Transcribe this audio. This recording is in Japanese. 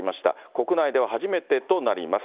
国内では初めてとなります。